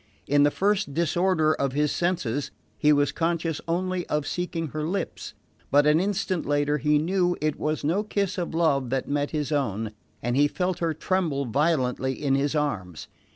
In the first disorder of his senses he was conscious only of seeking her lips; but an instant later he knew it was no kiss of love that met his own, and he felt her tremble violently in his arms.